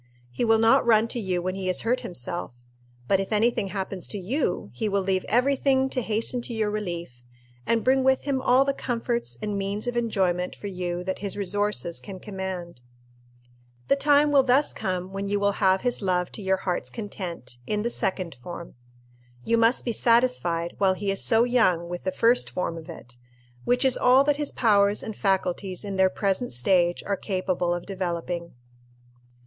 He will not run to you when he has hurt himself; but if any thing happens to you, he will leave every thing to hasten to your relief, and bring with him all the comforts and means of enjoyment for you that his resources can command. The time will thus come when you will have his love to your heart's content, in the second form. You must be satisfied, while he is so young, with the first form of it, which is all that his powers and faculties in their present stage are capable of developing.